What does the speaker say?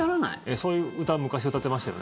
そういう歌昔、歌ってましたよね？